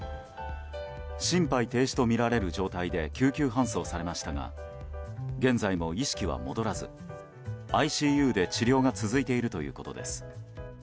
心肺停止とみられる状態で救急搬送されましたが現在も意識は戻らずＩＣＵで治療が続いているということです。